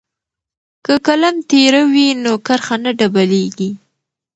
که قلم تیره وي نو کرښه نه ډبلیږي.